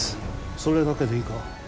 それだけでいいか？